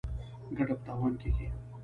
ګټه په تاوان کېږي.